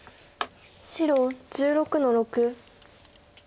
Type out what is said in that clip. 白１６の六。